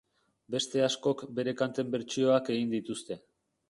Beste askok bere kanten bertsioak egin dituzte.